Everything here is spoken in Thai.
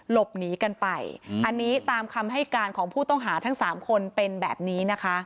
หลบหนีกันไปอันนี้ตามคำให้การของผู้ต้องหาทั้ง๓คนเป็นแบบนี้นะคะ